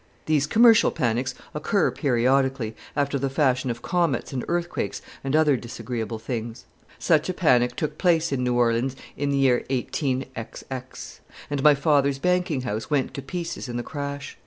These commercial panics occur periodically, after the fashion of comets and earthquakes and other disagreeable things. Such a panic took place in New Orleans in the year 18 , and my father's banking house went to pieces in the crash.